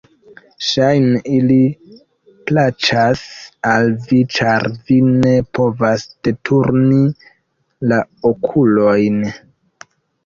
Ŝajne, ili plaĉas al vi, ĉar vi ne povas deturni la okulojn!